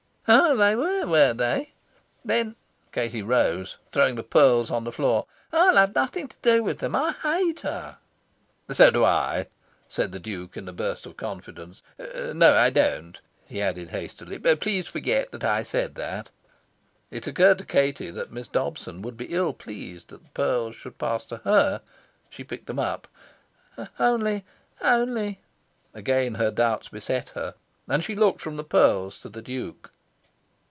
"Oh, they were, were they? Then" Katie rose, throwing the pearls on the floor "I'll have nothing to do with them. I hate her." "So do I," said the Duke, in a burst of confidence. "No, I don't," he added hastily. "Please forget that I said that." It occurred to Katie that Miss Dobson would be ill pleased that the pearls should pass to her. She picked them up. "Only only " again her doubts beset her and she looked from the pearls to the Duke.